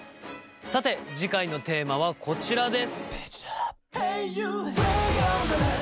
さて次回のテーマはこちらです。